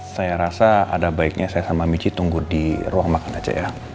saya rasa ada baiknya saya sama michi tunggu di ruang makan aja ya